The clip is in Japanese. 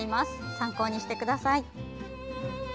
参考にしてください。